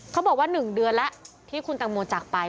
เขาบอกว่า๑เดือนแล้วที่คุณตังโมจากไป